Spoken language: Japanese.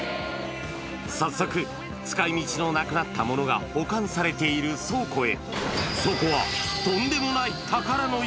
早速、使いみちのなくなったものが保管されている倉庫へ。